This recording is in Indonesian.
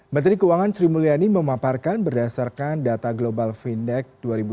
menteri keuangan sri mulyani memaparkan berdasarkan data global findech dua ribu dua puluh